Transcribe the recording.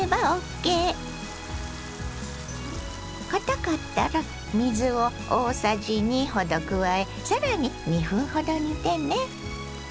かたかったら水を大さじ２ほど加え更に２分ほど煮てね。